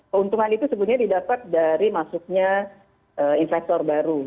keuntungan itu sebenarnya didapat dari masuknya investor baru